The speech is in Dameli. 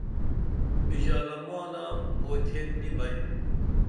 بژالہ مانہ اوئیتھین نی بئیم